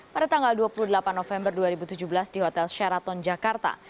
pada tanggal dua puluh delapan november dua ribu tujuh belas di hotel syaraton jakarta